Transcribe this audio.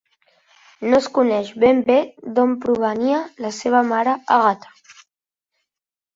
No es coneix ben bé d'on provenia la seva mare Àgata.